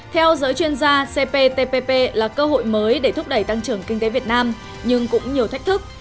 theo giới chuyên gia cptpp là cơ hội mới để thúc đẩy tăng trưởng kinh tế việt nam nhưng cũng nhiều thách thức